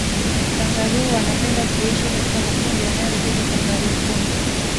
kangaroo wanapenda kuishi katika makundi yanayozidi kangaroo kumi